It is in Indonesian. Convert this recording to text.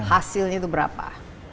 hasilnya itu berapa